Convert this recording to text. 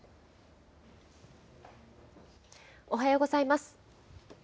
おはようございます。